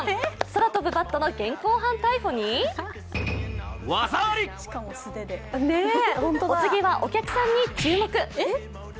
空飛ぶバットの現行犯逮捕にお次はお客さんに注目。